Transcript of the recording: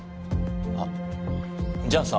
あっじゃあさ